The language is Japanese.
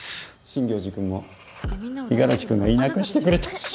真行寺君も五十嵐君がいなくしてくれたし。